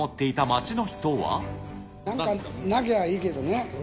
なんかなきゃいいけどね。